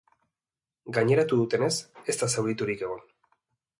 Gaineratu dutenez, ez da zauriturik egon.